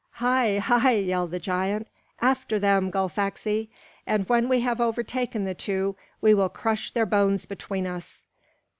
"Hi, hi!" yelled the giant. "After them, Gullfaxi! And when we have overtaken the two, we will crush their bones between us!"